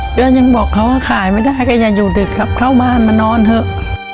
เดือนยังบอกเขาว่าขายไม่ได้ก็อย่าอยู่ดึกครับเข้าบ้านมานอนเถอะ